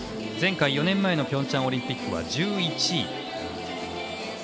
前回、４年前のピョンチャンオリンピックは１１位で。